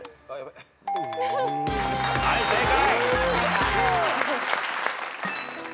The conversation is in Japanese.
はい正解。